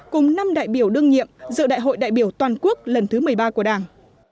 cùng năm đại biểu đương nhiệm dựa đại hội đại biểu toàn quốc lần thứ một mươi ba của đảng